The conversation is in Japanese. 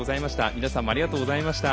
皆さんもありがとうございました。